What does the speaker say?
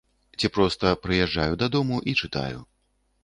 Ці проста прыязджаю дадому і чытаю.